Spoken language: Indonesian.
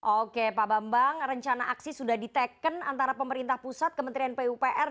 oke pak bambang rencana aksi sudah diteken antara pemerintah pusat kementerian pupr